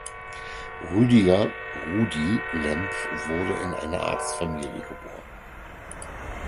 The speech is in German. Rüdiger („Rudi“) Lemp wurde in einer Arztfamilie geboren.